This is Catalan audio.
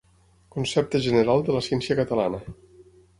Concepte general de la ciència catalana.